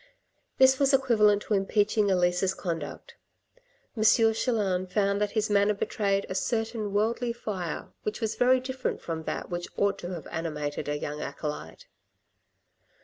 This was equivalent to impeaching Elisa's conduct. M. Chelan found that his manner betrayed a certain worldly fire which was very different from that which ought to have animated a young acolyte.